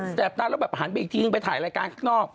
แปบตาแล้วแบบหันไปอีกทีนึงไปถ่ายรายการข้างนอก